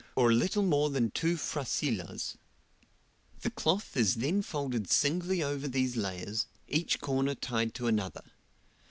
or a little more than two frasilahs; the cloth is then folded singly over these layers, each corner tied to another.